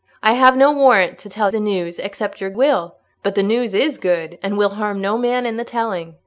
I have no warrant to tell the news except your will. But the news is good, and will harm no man in the telling.